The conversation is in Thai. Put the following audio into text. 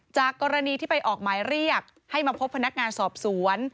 จากกรณีที่ไปออกหมายเรียกให้มาพบพนักงานสอบสวน